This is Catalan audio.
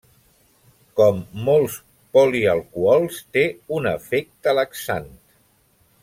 Com molts polialcohols té un efecte laxant.